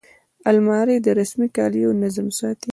الماري د رسمي کالیو نظم ساتي